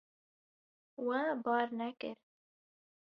We bar nekir.